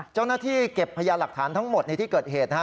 เจ้าหน้าที่เก็บพยานหลักฐานทั้งหมดในที่เกิดเหตุนะฮะ